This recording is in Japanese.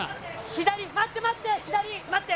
左待って待って！